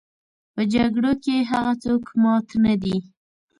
په جګړو کې هغه څوک مات نه دي.